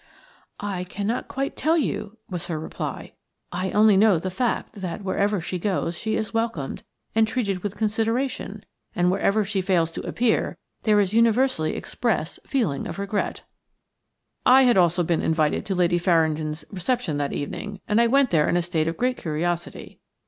"I cannot quite tell you," was her reply. "I only know the fact that wherever she goes she is welcomed and treated with consideration, and wherever she fails to appear there is a universally expressed feeling of regret." I had also been invited to Lady Farringdon's reception that evening, and I went there in a state of great curiosity.